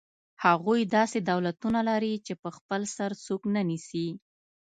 هغوی داسې دولتونه لري چې په خپل سر څوک نه نیسي.